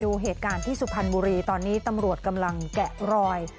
ดูเหตุการณ์ที่สุพรรณบุรีตอนนี้ตำรวจกำลังแกะรอย